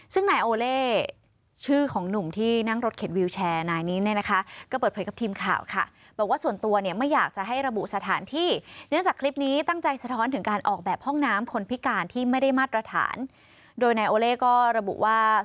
ซึ่งนายโอเล่ชื่อของหนุ่มที่นั่งรถเข็นวิวแชร์นายนี้แน่นะคะ